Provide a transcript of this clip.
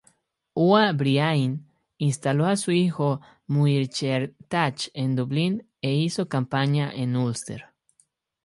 Ua Briain instaló a su hijo, Muirchertach en Dublín, e hizo campaña en Úlster.